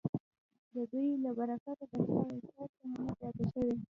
د دوی له برکته د ښار شتمني زیاته شوې.